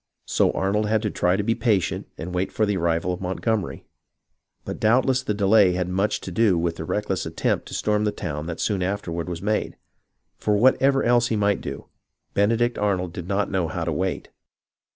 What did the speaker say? So Arnold had to try to be patient and wait for the arrival of Montgomery ; but doubtless the delay had much to do with the reckless attempt to storm the town that soon afterward was made, for whatever else he might do, Benedict Arnold did not know how to wait.